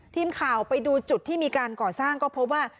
ทีมข่าวไปดูจุดที่มีการก่อสร้างก็พบว่า